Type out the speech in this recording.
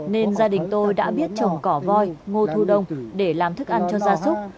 nên gia đình tôi đã biết trồng cỏ voi ngô thu đông để làm thức ăn cho gia súc